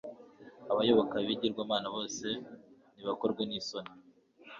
abayoboka bigirwamana bose nibakorwe n'isoni